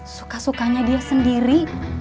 suka sukanya dia sendiri